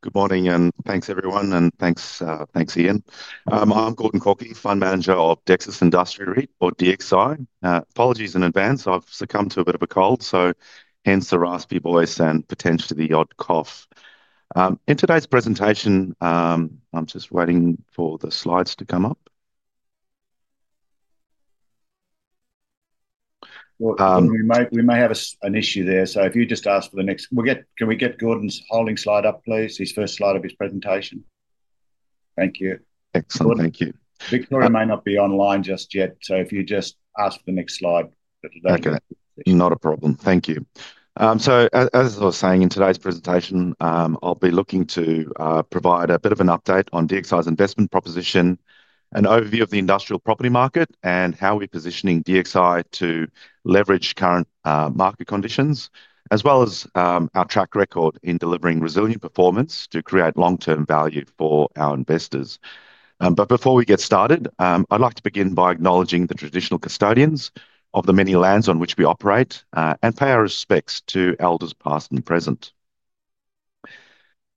Good morning and thanks, everyone, and thanks again. I'm Gordon Korkie, Fund Manager of Dexus Industria REIT, or DXI. Apologies in advance, I've succumbed to a bit of a cold, so hence the raspy voice and potentially the odd cough. In today's presentation, I'm just waiting for the slides to come up. We may have an issue there. If you just ask for the next, can we get Gordon Korkie's holding slide up, please? His first slide of his presentation. Thank you. Excellent, thank you. Victoria may not be online just yet, so if you just ask for the next slide. Okay, not a problem. Thank you. As I was saying, in today's presentation, I'll be looking to provide a bit of an update on DXI's investment proposition, an overview of the industrial property market, and how we're positioning DXI to leverage current market conditions, as well as our track record in delivering resilient performance to create long-term value for our investors. Before we get started, I'd like to begin by acknowledging the traditional custodians of the many lands on which we operate and pay our respects to elders past and present.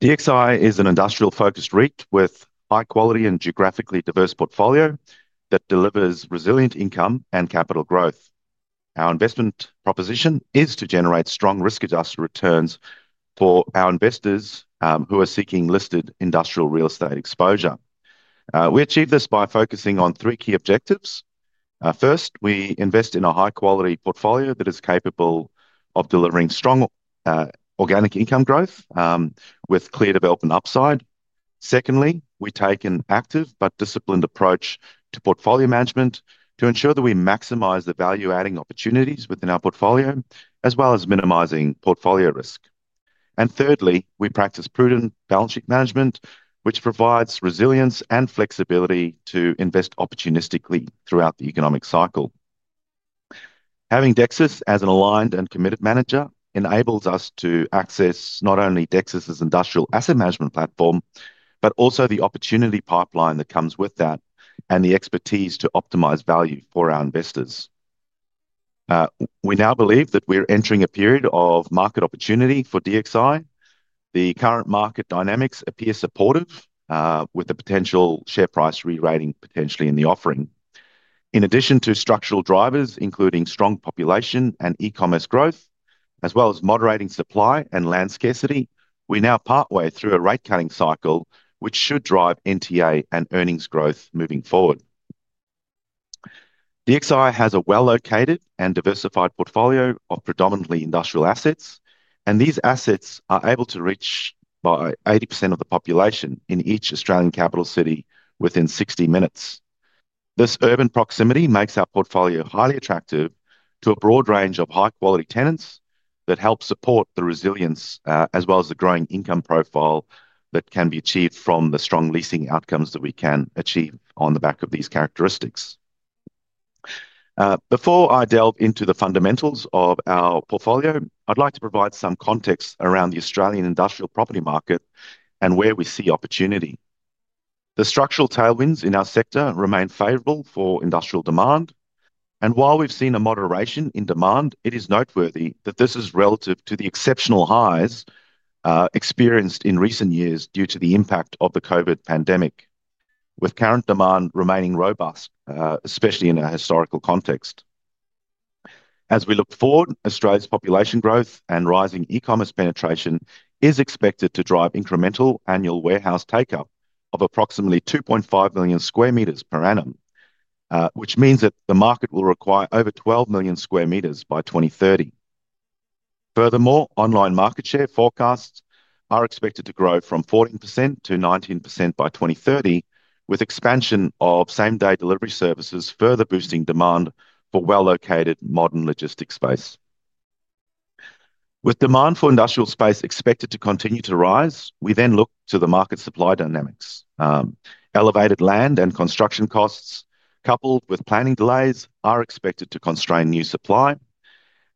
DXI is an industrial-focused REIT with a high-quality and geographically diverse portfolio that delivers resilient income and capital growth. Our investment proposition is to generate strong risk-adjusted returns for our investors who are seeking listed industrial real estate exposure. We achieve this by focusing on three key objectives. First, we invest in a high-quality portfolio that is capable of delivering strong organic income growth with clear development upside. Secondly, we take an active but disciplined approach to portfolio management to ensure that we maximize the value-adding opportunities within our portfolio, as well as minimizing portfolio risk. Thirdly, we practice prudent balance sheet management, which provides resilience and flexibility to invest opportunistically throughout the economic cycle. Having Dexus as an aligned and committed manager enables us to access not only Dexus's industrial asset management platform, but also the opportunity pipeline that comes with that and the expertise to optimize value for our investors. We now believe that we're entering a period of market opportunity for DXI. The current market dynamics appear supportive, with the potential share price re-rating potentially in the offering. In addition to structural drivers, including strong population and e-commerce growth, as well as moderating supply and land scarcity, we're now partway through a rate-cutting cycle, which should drive NTA and earnings growth moving forward. DXI has a well-located and diversified portfolio of predominantly industrial assets, and these assets are able to reach about 80% of the population in each Australian capital city within 60 minutes. This urban proximity makes our portfolio highly attractive to a broad range of high-quality tenants that help support the resilience, as well as the growing income profile that can be achieved from the strong leasing outcomes that we can achieve on the back of these characteristics. Before I delve into the fundamentals of our portfolio, I'd like to provide some context around the Australian industrial property market and where we see opportunity. The structural tailwinds in our sector remain favorable for industrial demand, and while we've seen a moderation in demand, it is noteworthy that this is relative to the exceptional highs experienced in recent years due to the impact of the COVID pandemic, with current demand remaining robust, especially in a historical context. As we look forward, Australia's population growth and rising e-commerce penetration are expected to drive incremental annual warehouse take-up of approximately 2.5 million square meters per annum, which means that the market will require over 12 million square meters by 2030. Furthermore, online market share forecasts are expected to grow from 14% to 19% by 2030, with expansion of same-day delivery services further boosting demand for well-located modern logistics space. With demand for industrial space expected to continue to rise, we then look to the market supply dynamics. Elevated land and construction costs, coupled with planning delays, are expected to constrain new supply,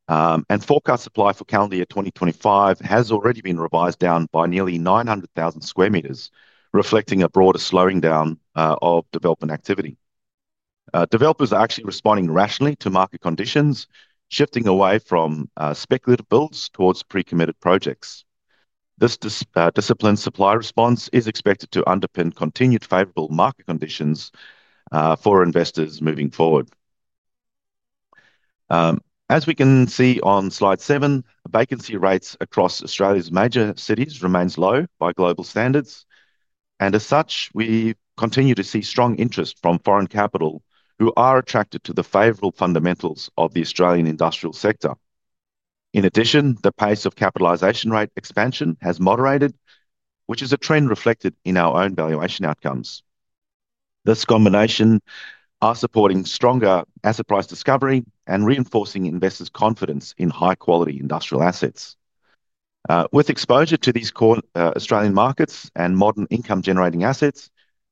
and forecast supply for calendar year 2025 has already been revised down by nearly 900,000 square meters, reflecting a broader slowing down of development activity. Developers are actually responding rationally to market conditions, shifting away from speculative builds towards pre-committed projects. This disciplined supply response is expected to underpin continued favorable market conditions for investors moving forward. As we can see on slide seven, vacancy rates across Australia's major cities remain low by global standards, and as such, we continue to see strong interest from foreign capital who are attracted to the favorable fundamentals of the Australian industrial sector. In addition, the pace of capitalization rate expansion has moderated, which is a trend reflected in our own valuation outcomes. This combination is supporting stronger asset price discovery and reinforcing investors' confidence in high-quality industrial assets. With exposure to these core Australian markets and modern income-generating assets,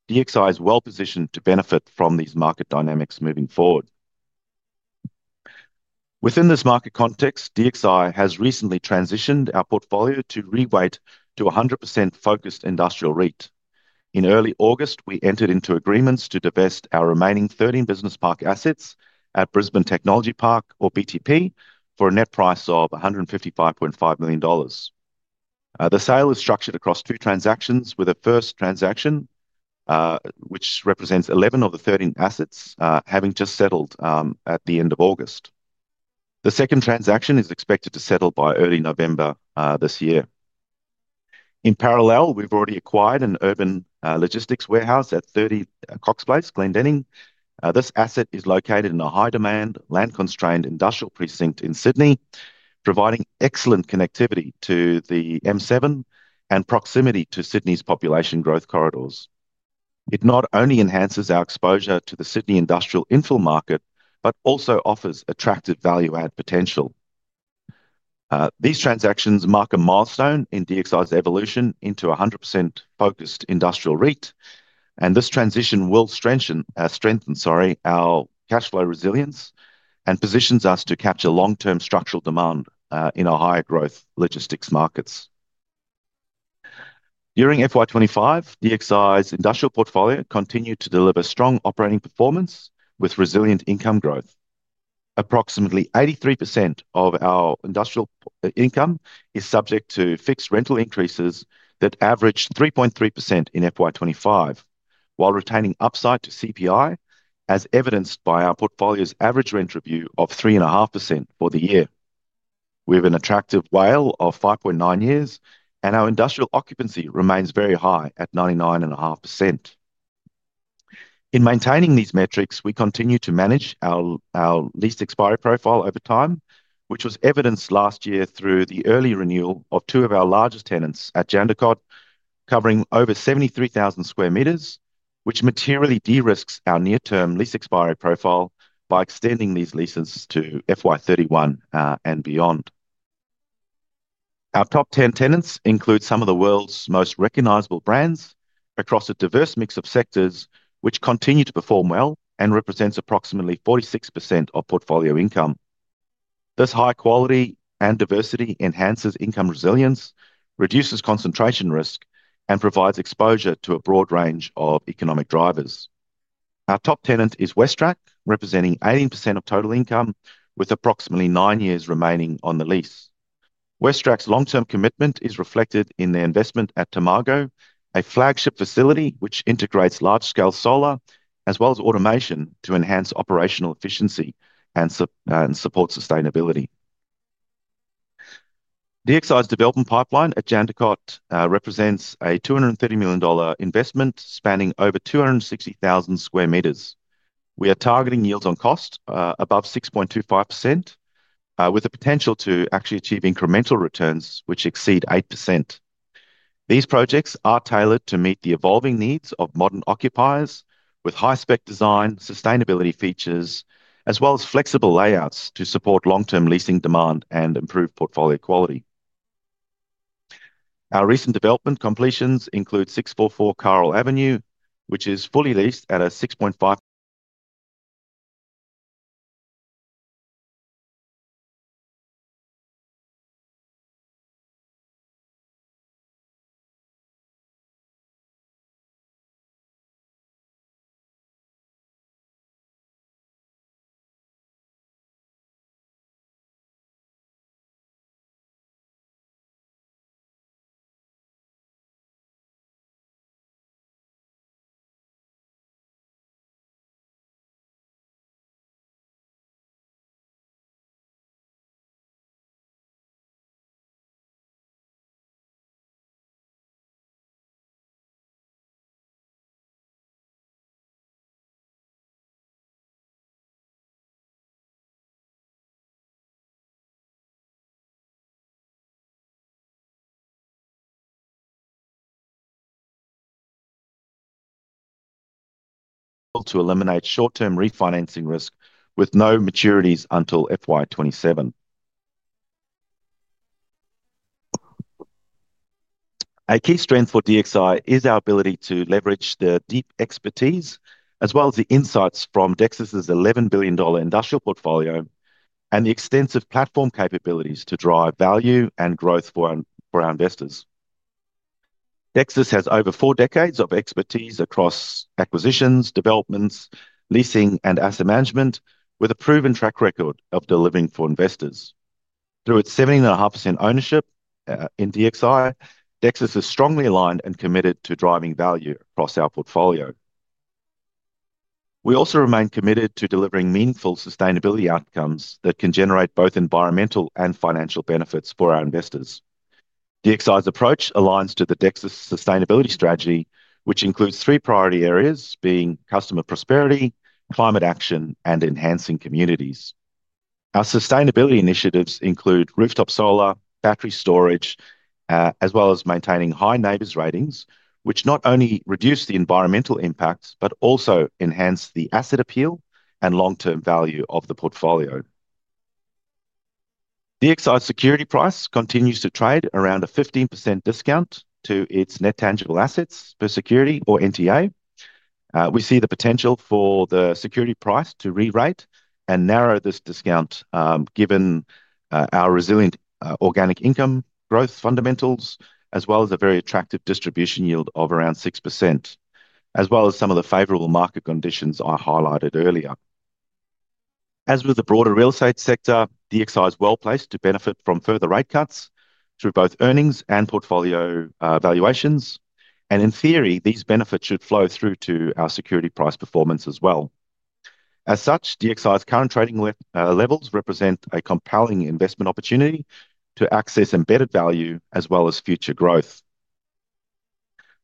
DXI is well-positioned to benefit from these market dynamics moving forward. Within this market context, DXI has recently transitioned our portfolio to re-weight to a 100% focused industrial REIT. In early August, we entered into agreements to divest our remaining 13 business park assets at Brisbane Technology Park, or BTP, for a net price of $155.5 million. The sale is structured across two transactions, with the first transaction, which represents 11 of the 13 assets, having just settled at the end of August. The second transaction is expected to settle by early November this year. In parallel, we've already acquired an urban logistics warehouse at 30 Cox Place, Glen Denning. This asset is located in a high-demand, land-constrained industrial precinct in Sydney, providing excellent connectivity to the M7 and proximity to Sydney's population growth corridors. It not only enhances our exposure to the Sydney industrial infill market, but also offers attractive value-add potential. These transactions mark a milestone in DXI's evolution into a 100% focused industrial REIT, and this transition will strengthen our cash flow resilience and positions us to capture long-term structural demand in our higher growth logistics markets. During FY25, DXI's industrial portfolio continued to deliver strong operating performance with resilient income growth. Approximately 83% of our industrial income is subject to fixed rental increases that average 3.3% in FY25, while retaining upside to CPI, as evidenced by our portfolio's average rental view of 3.5% for the year. We have an attractive WALE of 5.9 years, and our industrial occupancy remains very high at 99.5%. In maintaining these metrics, we continue to manage our lease expiry profile over time, which was evidenced last year through the early renewal of two of our largest tenants at Jandakot, covering over 73,000 square meters, which materially de-risked our near-term lease expiry profile by extending these leases to FY31 and beyond. Our top 10 tenants include some of the world's most recognisable brands across a diverse mix of sectors, which continue to perform well and represent approximately 46% of portfolio income. This high quality and diversity enhances income resilience, reduces concentration risk, and provides exposure to a broad range of economic drivers. Our top tenant is Westrac, representing 18% of total income, with approximately nine years remaining on the lease. Westrac's long-term commitment is reflected in their investment at Tamargo, a flagship facility which integrates large-scale solar, as well as automation to enhance operational efficiency and support sustainability. DXI's development pipeline at Jandakot represents a $230 million investment spanning over 260,000 square meters. We are targeting yields on cost above 6.25%, with the potential to actually achieve incremental returns which exceed 8%. These projects are tailored to meet the evolving needs of modern occupiers, with high-spec design, sustainability features, as well as flexible layouts to support long-term leasing demand and improve portfolio quality. Our recent development completions include 644 Carroll Avenue, which is fully leased at a 6% yield, to eliminate short-term refinancing risk with no maturities until FY27. A key strength for DXI is our ability to leverage the deep expertise, as well as the insights from Dexus's $11 billion industrial portfolio, and the extensive platform capabilities to drive value and growth for our investors. Dexus has over four decades of expertise across acquisitions, developments, leasing, and asset management, with a proven track record of delivering for investors. Through its 7.5% ownership in DXI, Dexus is strongly aligned and committed to driving value across our portfolio. We also remain committed to delivering meaningful sustainability outcomes that can generate both environmental and financial benefits for our investors. DXI's approach aligns to the Dexus sustainability strategy, which includes three priority areas, being customer prosperity, climate action, and enhancing communities. Our sustainability initiatives include rooftop solar, battery storage, as well as maintaining high NABERS ratings, which not only reduce the environmental impacts but also enhance the asset appeal and long-term value of the portfolio. DXI's security price continues to trade around a 15% discount to its net tangible assets per security, or NTA. We see the potential for the security price to re-rate and narrow this discount, given our resilient organic income growth fundamentals, as well as a very attractive distribution yield of around 6%, as well as some of the favorable market conditions I highlighted earlier. As with the broader real estate sector, Dexus Industria REIT is well placed to benefit from further rate cuts through both earnings and portfolio valuations, and in theory, these benefits should flow through to our security price performance as well. DXI's current trading levels represent a compelling investment opportunity to access embedded value, as well as future growth.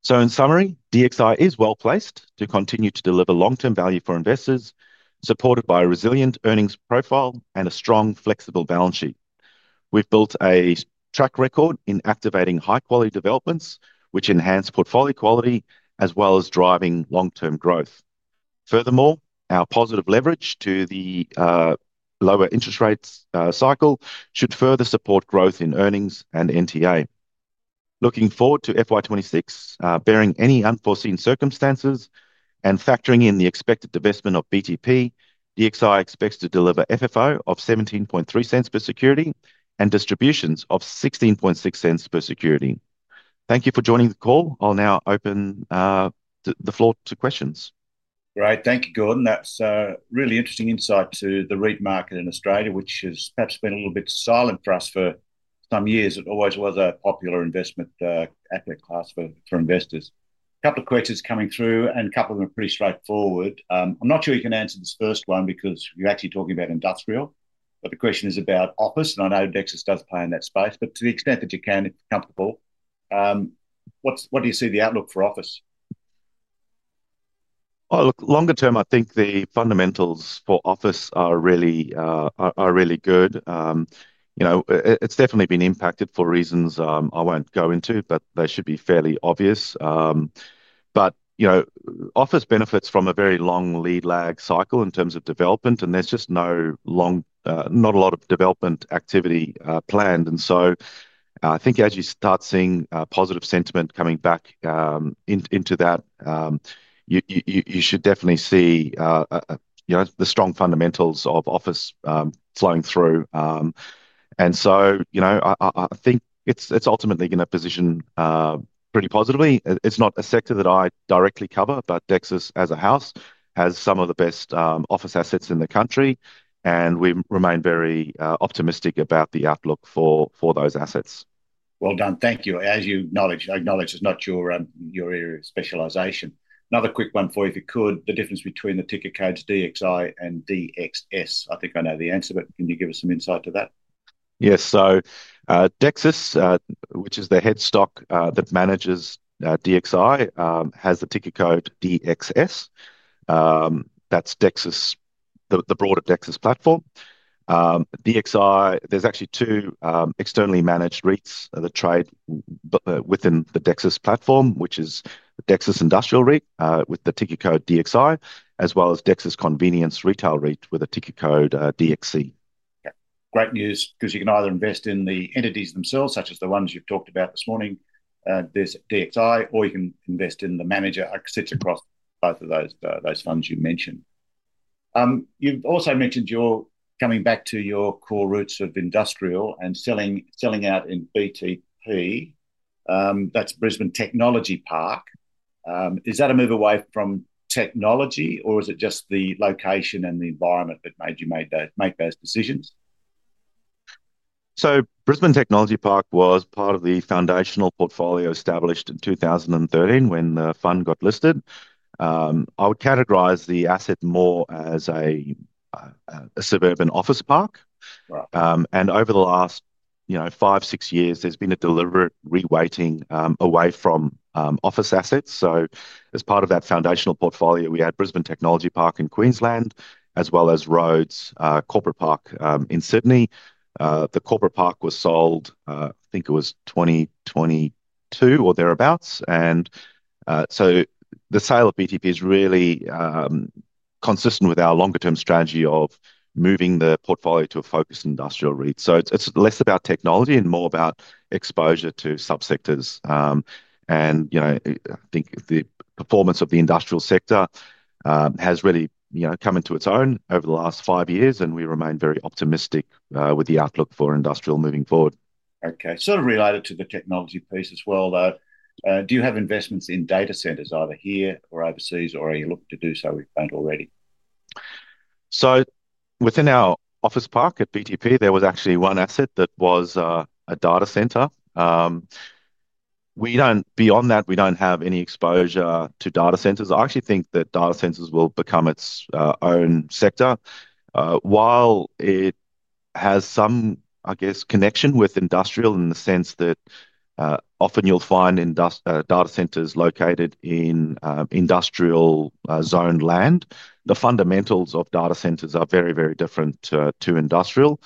In summary, DXI is well placed to continue to deliver long-term value for investors, supported by a resilient earnings profile and a strong, flexible balance sheet. We've built a track record in activating high-quality developments, which enhance portfolio quality, as well as driving long-term growth. Furthermore, our positive leverage to the lower interest rates cycle should further support growth in earnings and net tangible asset (NTA). Looking forward to fiscal year 2026, bearing any unforeseen circumstances and factoring in the expected divestment of Brisbane Technology Park, DXI expects to deliver funds from operations (FFO) of $0.173 per security and distributions of $0.166 per security. Thank you for joining the call. I'll now open the floor to questions. Right, thank you, Gordon. That's a really interesting insight to the REIT market in Australia, which has perhaps been a little bit silent for us for some years. It always was a popular investment asset class for investors. A couple of questions coming through, and a couple of them are pretty straightforward. I'm not sure you can answer this first one because you're actually talking about industrial, but the question is about office, and I know Dexus does play in that space, but to the extent that you can, if you're comfortable, what do you see the outlook for office? Longer term, I think the fundamentals for office are really good. It's definitely been impacted for reasons I won't go into, but they should be fairly obvious. Office benefits from a very long lead lag cycle in terms of development, and there's just not a lot of development activity planned. I think as you start seeing positive sentiment coming back into that, you should definitely see the strong fundamentals of office flowing through. I think it's ultimately going to position pretty positively. It's not a sector that I directly cover, but Dexus, as a house, has some of the best office assets in the country, and we remain very optimistic about the outlook for those assets. Thank you. As you acknowledge, it's not your specialisation. Another quick one for you, if you could, the difference between the ticket codes DXI and DXS. I think I know the answer, but can you give us some insight to that? Yes, so Dexus, which is the headstock that manages DXI, has the ticket code DXS. That's the broader Dexus platform. There are actually two externally managed REITs that trade within the Dexus platform, which are Dexus Industria REIT with the ticket code DXI, as well as Dexus Convenience Retail REIT with a ticket code DXC. Great news because you can either invest in the entities themselves, such as the ones you've talked about this morning, Dexus Industria REIT, or you can invest in the manager assets across both of those funds you mentioned. You've also mentioned you're coming back to your core roots of industrial and selling out in Brisbane Technology Park. Is that a move away from technology, or is it just the location and the environment that made you make those decisions? Brisbane Technology Park was part of the foundational portfolio established in 2013 when the fund got listed. I would categorize the asset more as a suburban office park. Over the last five, six years, there's been a deliberate re-weighting away from office assets. As part of that foundational portfolio, we had Brisbane Technology Park in Queensland, as well as Rhodes Corporate Park in Sydney. The corporate park was sold, I think it was 2022 or thereabouts. The sale of Brisbane Technology Park is really consistent with our longer-term strategy of moving the portfolio to a focused industrial real estate investment trust. It's less about technology and more about exposure to sub-sectors. I think the performance of the industrial sector has really come into its own over the last five years, and we remain very optimistic with the outlook for industrial moving forward. Okay, sort of related to the technology piece as well, do you have investments in data centers either here or overseas, or are you looking to do so with funds already? Within our office park at Brisbane Technology Park, there was actually one asset that was a data centre. Beyond that, we don't have any exposure to data centres. I actually think that data centres will become its own sector. While it has some connection with industrial in the sense that often you'll find data centres located in industrial-zoned land, the fundamentals of data centres are very, very different to industrial.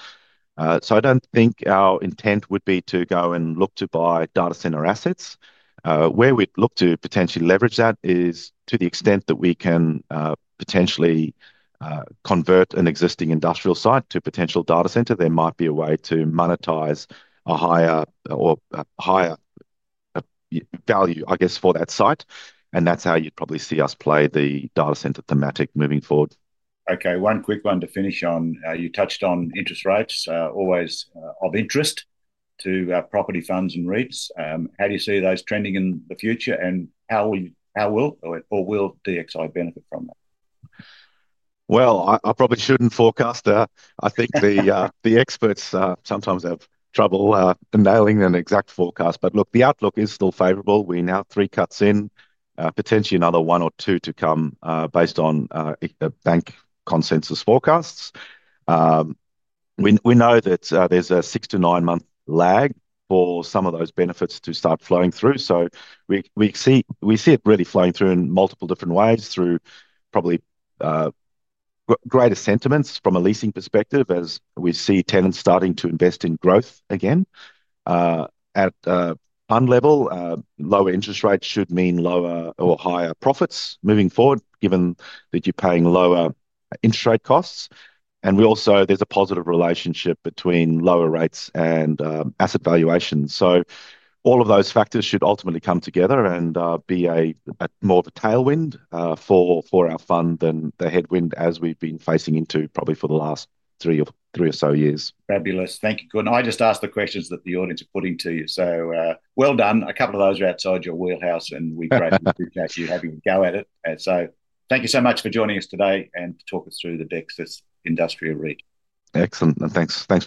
I don't think our intent would be to go and look to buy data centre assets. Where we'd look to potentially leverage that is to the extent that we can potentially convert an existing industrial site to a potential data centre. There might be a way to monetize a higher value for that site. That's how you'd probably see us play the data centre thematic moving forward. Okay, one quick one to finish on. You touched on interest rates, always of interest to property funds and REITs. How do you see those trending in the future, and how will DXI benefit from that? I probably shouldn't forecast that. I think the experts sometimes have trouble nailing an exact forecast. The outlook is still favorable. We're now three cuts in, potentially another one or two to come based on bank consensus forecasts. We know that there's a six to nine-month lag for some of those benefits to start flowing through. We see it really flowing through in multiple different ways, through probably greater sentiments from a leasing perspective, as we see tenants starting to invest in growth again. At a fund level, lower interest rates should mean lower or higher profits moving forward, given that you're paying lower interest rate costs. There's also a positive relationship between lower rates and asset valuations. All of those factors should ultimately come together and be more of a tailwind for our fund than the headwind, as we've been facing into probably for the last three or so years. Fabulous, thank you, Gordon. I just asked the questions that the audience are putting to you. Well done. A couple of those are outside your wheelhouse, and we'd greatly appreciate you having a go at it. Thank you so much for joining us today and to talk us through the Dexus Industria REIT. Excellent, and thanks. Thanks.